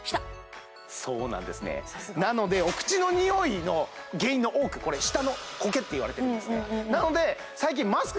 そうなんですねなのでさすがお口の臭いの原因の多くこれ舌のコケっていわれてるんですね